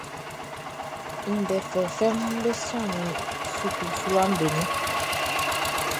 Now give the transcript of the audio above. Ndɛ fɛfɛʼm be sɔnnin suklu fluwaʼm be nun.